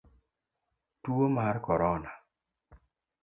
Tuo mar korona.